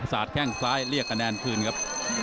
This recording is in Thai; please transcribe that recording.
สาดแข้งซ้ายเรียกคะแนนคืนครับ